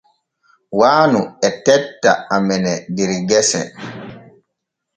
Waanu e tetta amene der gese.